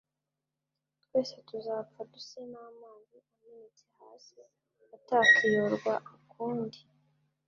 Twese tuzapfa duse n’amazi amenetse hasi, atakiyorwa ukundi.